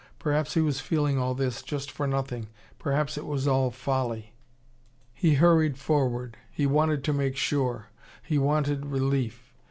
Perhaps he was feeling all this, just for nothing. Perhaps it was all folly. He hurried forward. He wanted to make sure. He wanted relief.